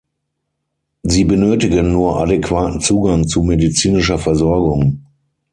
Sie benötigen nur adäquaten Zugang zu medizinischer Versorgung.